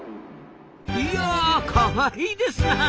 いやかわいいですなあ。